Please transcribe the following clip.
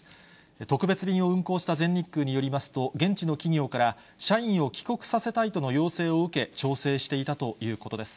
特別便を運航した全日空によりますと、現地の企業から、社員を帰国させたいとの要請を受け、調整していたということです。